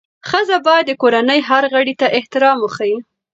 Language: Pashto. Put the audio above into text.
ښځه باید د کورنۍ هر غړي ته احترام وښيي.